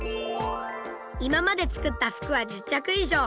今まで作った服は１０着以上。